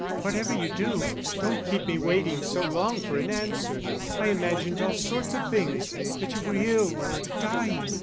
Whatever you do, don't keep me waiting so long for an answer. I imagined all sorts of things that you were ill or dying.